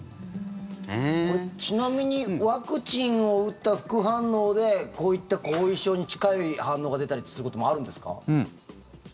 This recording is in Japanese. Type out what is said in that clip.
ちなみにワクチンを打った副反応でこういった後遺症に近い反応が出たりすることもあるんですか？